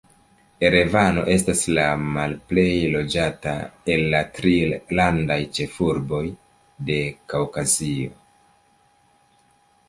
Erevano estas la malplej loĝata el la tri landaj ĉefurboj de Kaŭkazio.